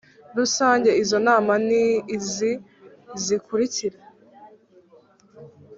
Rusange Izo nama ni izi zikurikira